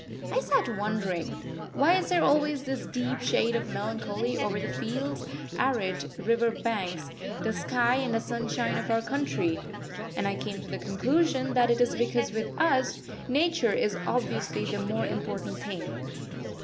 I sat wondering: Why is there always this deep shade of melancholy over the fields arid river banks, the sky and the sunshine of our country? And I came to the conclusion that it is because with us Nature is obviously the more important thing.